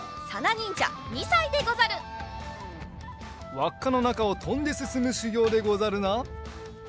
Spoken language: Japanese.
わっかのなかをとんですすむしゅぎょうでござるな。